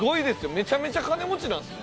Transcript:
めちゃめちゃ金持ちなんですね。